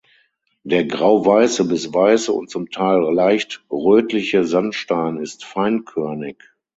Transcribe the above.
Der grauweiße bis weiße und zum Teil leicht rötliche Sandstein ist feinkörnig.